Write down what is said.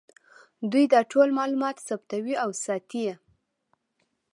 دوی دا ټول معلومات ثبتوي او ساتي یې